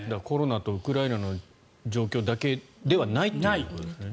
コロナとウクライナの状況だけではないと。